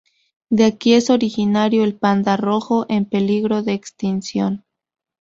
De aquí es originario el panda rojo, en peligro de extinción.